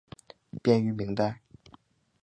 编于明代。